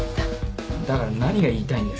だから何が言いたいんだよ？